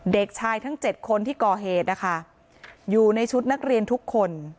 เด็กชายทั้ง๗คนที่ก่อเหตุนะคะอยู่ในชุดนักเรียนทุกคน